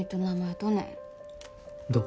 どう？